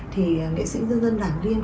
thì nghệ sĩ nhân dân đàm liên